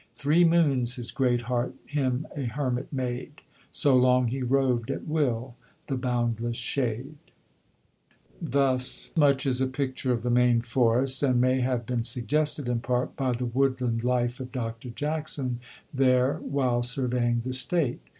Three moons his great heart him a hermit made, So long he roved at will the boundless shade." Thus much is a picture of the Maine forests, and may have been suggested in part by the woodland life of Dr. Jackson there while surveying the State.